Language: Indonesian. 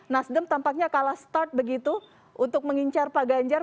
nasdem tampaknya kalah start begitu untuk mengincar pak ganjar